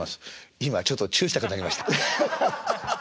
今ちょっとチューしたくなりました。